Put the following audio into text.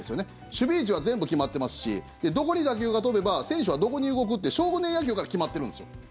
守備位置は全部決まってますしどこに打球が飛べば選手はどこに動くって少年野球から決まってるんですよ。